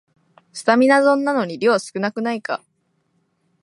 スタミナ丼なのに量少なくないか